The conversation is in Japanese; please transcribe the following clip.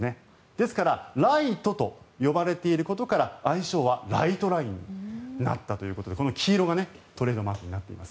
ですから、雷都と呼ばれていることから愛称はライトラインになったということでこの黄色がトレードマークになっています。